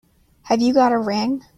Have you got a ring?